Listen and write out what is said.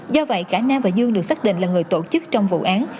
do vậy cả nam và dương được xác định là người tổ chức trong vụ án